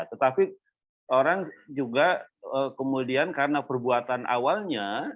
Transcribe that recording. tetapi orang juga kemudian karena perbuatan awalnya